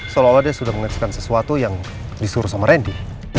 seolah olah dia sudah mengatakan sesuatu yang disuruh sama randy